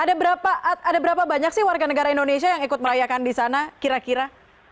ada berapa banyak sih warga negara indonesia yang ikut merayakan di sana kira kira